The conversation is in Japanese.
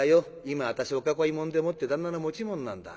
今私お囲い者でもって旦那の持ち物なんだ。